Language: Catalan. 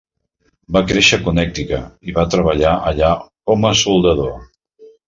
Va créixer a Connecticut i va treballar allà com a soldador.